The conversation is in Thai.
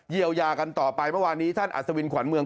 เยียวยากันต่อไปเมื่อวานนี้ท่านอัศวินขวัญเมือง